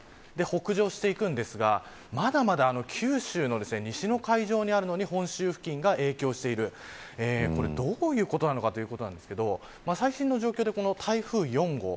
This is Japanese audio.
北上していくんですがまだまだ九州の西の海上にあるのに本州付近に、影響しているこれどういうことなのかということなんですが最新の状況で台風４号